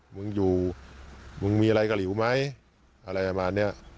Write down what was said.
มึงอยู่มึงมีอะไรกับหลิวไหมอะไรแบบนี้